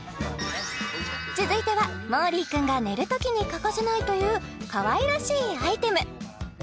続いてはもーりー君が寝るときに欠かせないという可愛らしいアイテム